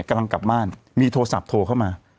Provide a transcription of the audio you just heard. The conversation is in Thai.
กำลังกลับบ้านมีโทรศัพท์โทรเข้ามา